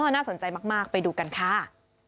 น่าสนใจมากไปดูกันค่ะ